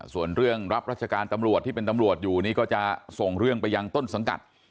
ส่วนเรื่องรับรัชการตำรวจที่เป็นตำรวจอยู่นี่ก็จะส่งเรื่องไปยังต้นสังกัด